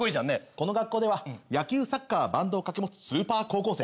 この学校では野球サッカーバンドを掛け持つスーパー高校生。